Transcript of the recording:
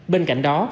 bên cạnh đó